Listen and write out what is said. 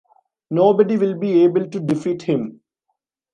Nobody will be able to defeat him.